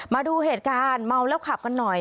มาดูเหตุการณ์เมาแล้วขับกันหน่อย